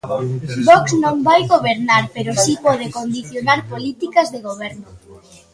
Vox non vai gobernar, pero si pode condicionar políticas de goberno.